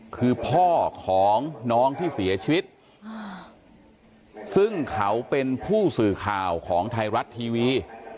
คือพ่อของน้องที่เสียชีวิตซึ่งเขาเป็นผู้สื่อข่าวของไทยรัฐทีวี